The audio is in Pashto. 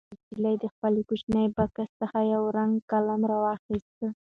نجلۍ د خپل کوچني بکس څخه یو رنګه قلم راوویست.